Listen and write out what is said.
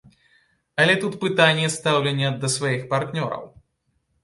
Але тут пытанне стаўлення да сваіх партнёраў.